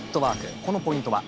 このポイントは？